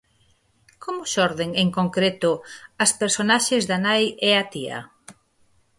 Como xorden, en concreto, as personaxes da nai e a tía?